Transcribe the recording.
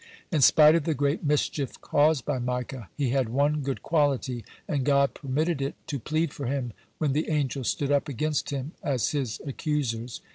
(136) In spite of the great mischief caused by Micah, he had one good quality, and God permitted it to plead for him when the angel stood up against him as his accusers.